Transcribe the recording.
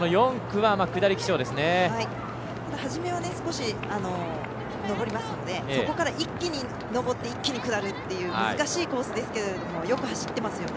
はじめは少し上りますのでそこから一気に上って一気に下るという難しいコースですけれどもよく走ってますよね。